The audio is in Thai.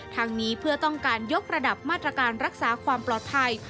ทางนี้เพื่อต้องการยกระดับมาตรการรักษาความปลอดภัย